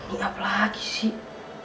ini apa lagi sih